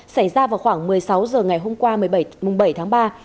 xảy ra vào khoảng một mươi sáu h ngày hôm qua một mươi bảy tháng ba